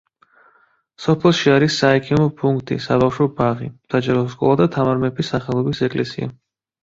სოფელში არის საექიმო პუნქტი, საბავშვო ბაღი, საჯარო სკოლა და თამარ მეფის სახელობის ეკლესია.